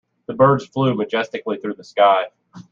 The birds flew majestically through the sky.